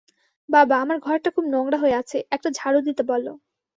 বাবা, আমার ঘরটা খুব নোংরা হয়ে আছে, একটা ঝাড়ু দিতে বলো।